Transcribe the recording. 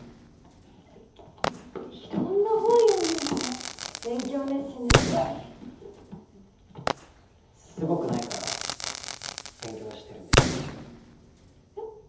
色んな本読んでんだね勉強熱心ですごいすごくないから勉強してるんですえっ？